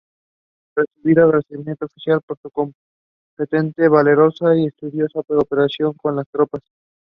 She qualified as an physician and ophthalmologist.